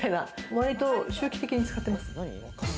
割と周期的に使ってます。